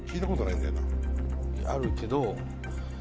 あるけど。